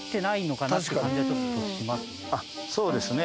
そうですね。